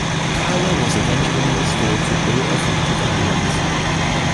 Power was eventually restored to all affected areas.